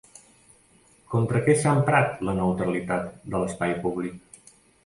Contra què s'ha emprat la neutralitat de l'espai públic?